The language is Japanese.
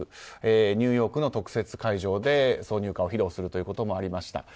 ニューヨークの特設会場で挿入歌を披露するということもありました。